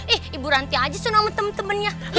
eh ibu ranti aja so nambah temen temennya